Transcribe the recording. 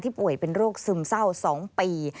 ป่วยเป็นโรคซึมเศร้า๒ปี